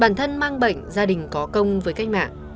bản thân mang bệnh gia đình có công với cách mạng